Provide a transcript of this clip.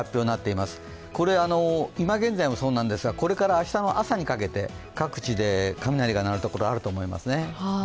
いま現在もそうなんですがこれから明日の朝にかけて各地で雷が鳴るところがあると思いますね。